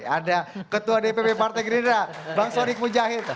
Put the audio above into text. ada ketua dpp partai gerira bang sonik mujahid